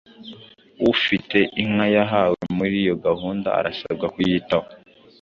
Ufite inka yahawe muri iyo gahunda arasabwa kuyitaho.